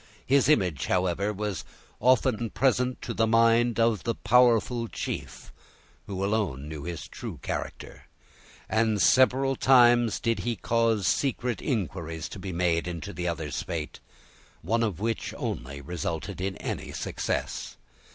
His image, however, was often present to the mind of the powerful chief, who alone knew his true character; and several times did he cause secret inquiries to be made into the other's fate, one of which only resulted in any success.